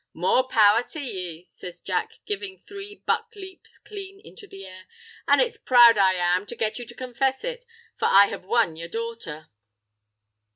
"More power to ye!" says Jack, givin' three buck leaps clean into the air, "an' it's proud I am to get you to confess it; for I have won yer daughter."